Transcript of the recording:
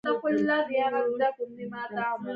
د وطن جوړونکو خلګو ملاتړ وکړئ.